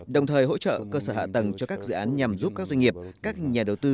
đồng thời hỗ trợ cơ sở hạ tầng cho các dự án nhằm giúp các doanh nghiệp các nhà đầu tư